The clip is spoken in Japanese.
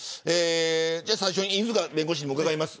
最初に犬塚弁護士に伺います。